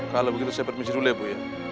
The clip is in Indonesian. kalau begitu saya permisi dulu ya bu ya